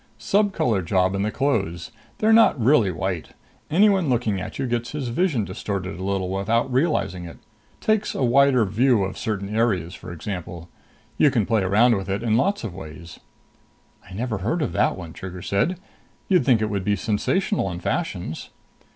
"Subcolor job in the clothes. They're not really white. Anyone looking at you gets his vision distorted a little without realizing it. Takes a wider view of certain areas, for example. You can play it around in a lot of ways." "I never heard of that one," Trigger said. "You'd think it would be sensational in fashions."